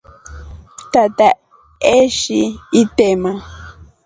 Tata eshi itema.